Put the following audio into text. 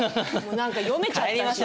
何か読めちゃったし。